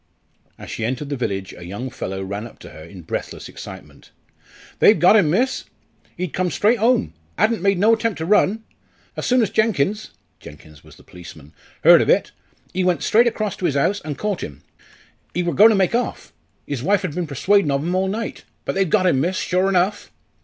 As she entered the village, a young fellow ran up to her in breathless excitement. "They've got 'im, miss. He'd come straight home 'adn't made no attempt to run. As soon as Jenkins" (Jenkins was the policeman) "heared of it, ee went straight across to 'is house, an' caught 'im. Ee wor goin' to make off 'is wife 'ad been persuadin' ov 'im all night. But they've got him, miss, sure enough!"